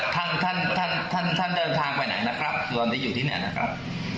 ท่านท่านท่านท่านท่านเดินทางไปไหนนะครับส่วนที่อยู่ที่เนี้ยนะครับ